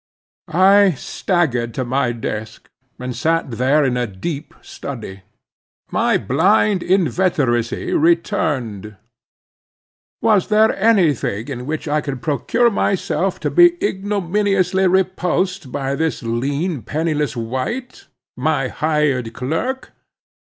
I staggered to my desk, and sat there in a deep study. My blind inveteracy returned. Was there any other thing in which I could procure myself to be ignominiously repulsed by this lean, penniless wight?—my hired clerk?